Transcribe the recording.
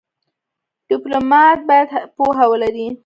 ډيپلومات باید پوهه ولري.